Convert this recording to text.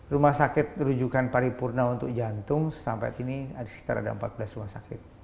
rumah sakit rujukan paripurna untuk jantung sampai ini ada sekitar empat belas rumah sakit